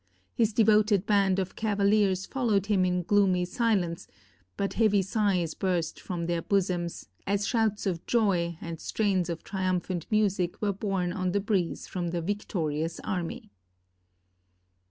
His devoted band of cavaliers followed him in gloomy silence; but heavy sighs burst from their bosoms, as shouts of joy and strains of triumphant music were borne on the breeze from the victorious army.